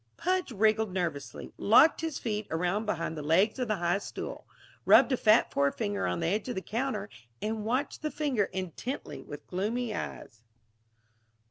Pudge wriggled nervously, locked his feet around behind the legs of the high stool, rubbed a fat forefinger on the edge of the counter, and watched the finger intently with gloomy eyes.